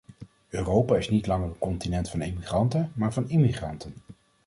Europa is niet langer een continent van emigranten, maar van immigranten.